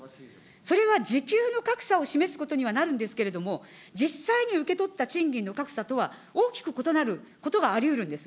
それは時給の格差を示すことにはなるんですけれども、実際に受け取った賃金の格差とは、大きく異なることがありうるんです。